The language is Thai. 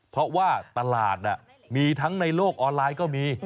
เพราะว่าตลาดมีทั้งในโลกออนไลน์ก็มี